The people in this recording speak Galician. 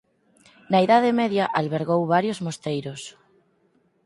Na idade media albergou varios mosteiros.